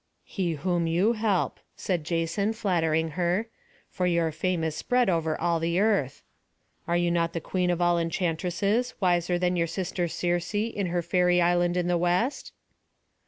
"He whom you help," said Jason, flattering her, "for your fame is spread over all the earth. Are you not the queen of all enchantresses, wiser even than your sister Circe, in her fairy island in the West?"